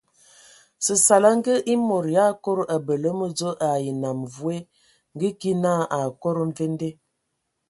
Səsala ngə e mod yʼakodo abələ mədzo ai nnam woe ngə ki na akodo mvende.